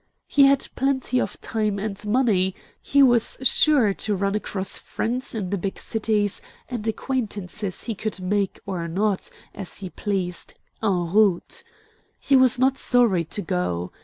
He had plenty of time and money; he was sure to run across friends in the big cities, and acquaintances he could make or not, as he pleased, en route. He was not sorry to go.